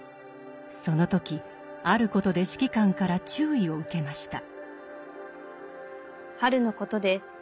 その時あることで指揮官から注意を受けました。